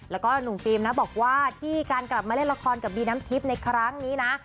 แล้วก็หนุ่มฟิล์มนะบอกว่าที่การกลับมาเล่นละครกับบีน้ำทิพย์ในครั้งนี้นะ